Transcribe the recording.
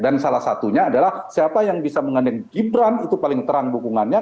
dan salah satunya adalah siapa yang bisa mengandung gibran itu paling terang dukungannya